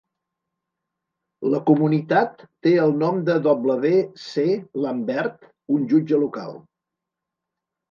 La comunitat té el nom de W. C. Lambert, un jutge local.